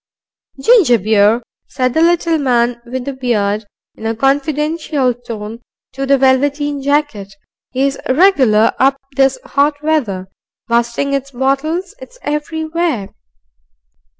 "Ginger beer," said the little man with the beard, in a confidential tone to the velveteen jacket, "is regular up this 'ot weather. Bustin' its bottles it is everywhere."